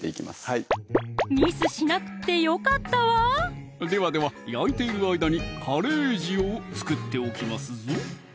はいミスしなくってよかったわではでは焼いている間にカレー塩を作っておきますぞ